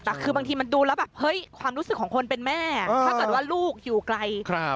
แต่คือบางทีมันดูแล้วแบบเฮ้ยความรู้สึกของคนเป็นแม่ถ้าเกิดว่าลูกอยู่ไกล